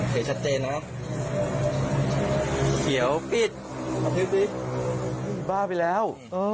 โอเคชัดเจนนะเขียวปิดมาเที่ยวปิดบ้าไปแล้วเออ